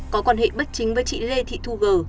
có quan hệ bất chính với chị lê thị thu gừ